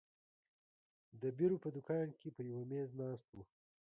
د بیرو په دوکان کې پر یوه مېز ناست وو.